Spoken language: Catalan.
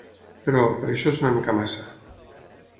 Però, però això és una mica massa.